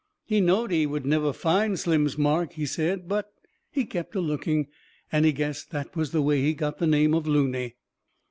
He knowed he would never find Slim's mark, he said, but he kept a looking, and he guessed that was the way he got the name of Looney.